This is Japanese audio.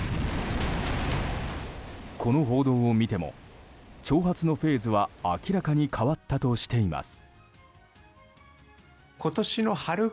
この報道を見ても挑発のフェーズは明らかに変わったとしています。